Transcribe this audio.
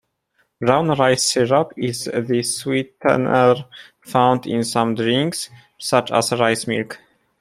Brown rice syrup is the sweetener found in some drinks, such as rice milk.